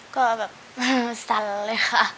ก็แบบสั่นเลยค่ะ